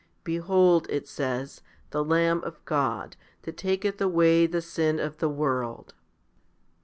Behold, it says, the Lamb of God, that taketh away the sin of the world* 7.